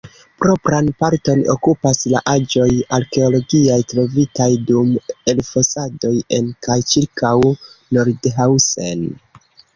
Propran parton okupas la aĵoj arkeologiaj, trovitaj dum elfosadoj en kaj ĉirkaŭ Nordhausen.